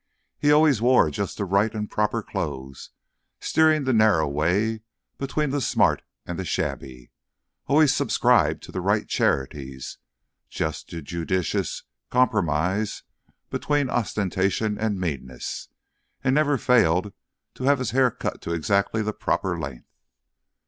He always wore just the right and proper clothes, steering the narrow way between the smart and the shabby, always subscribed to the right charities, just the judicious compromise between ostentation and meanness, and never failed to have his hair cut to exactly the proper length.